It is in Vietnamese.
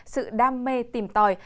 sự đam mê tìm tòi